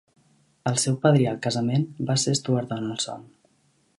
El seu padrí al casament va ser Stuart Donaldson.